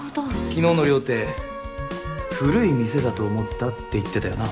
昨日の料亭古い店だと思ったって言ってたよな？